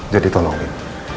jadi tolong lin